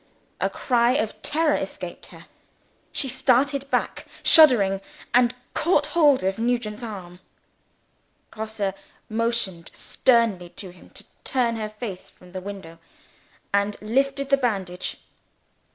A cry of terror escaped her: she started back, shuddering, and caught hold of Nugent's arm. Grosse motioned sternly to him to turn her face from the window; and lifted the bandage.